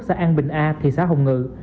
xã an bình a thị xã hồng ngự